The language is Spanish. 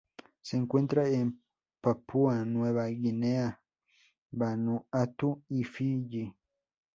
Se encuentra en Papúa Nueva Guinea, Vanuatu y Fiyi.